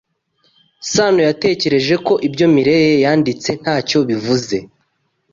Sanoyatekereje ko ibyo Mirelle yanditse ntacyo bivuze.